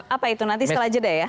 apa itu nanti setelah jeda ya